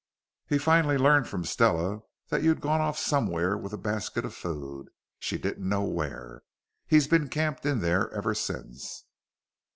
He finally learned from Stella that you'd gone off somewhere with a basket of food she didn't know where. He's been camped in there ever since."